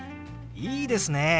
いいですね。